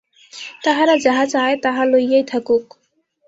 তাহারা যাহা চায় তাহা লইয়াই থাকুক।